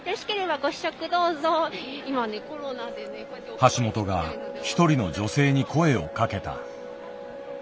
橋本が一人の女性に声をかけた。